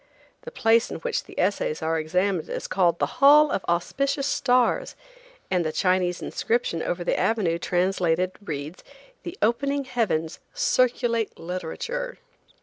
The place in which the essays are examined is called the Hall of Auspicious Stars, and the Chinese inscription over the avenue translated reads, "The opening heavens circulate literature."